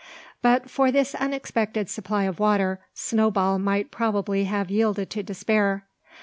But for this unexpected supply of water Snowball might probably have yielded to despair.